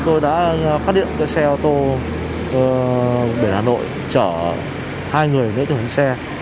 tôi đã phát hiện xe ô tô biển hà nội chở hai người đến trường hành xe